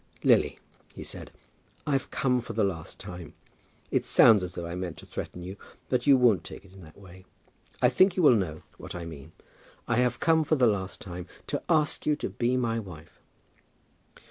"Lily," he said, "I've come for the last time. It sounds as though I meant to threaten you; but you won't take it in that way. I think you will know what I mean. I have come for the last time to ask you to be my wife."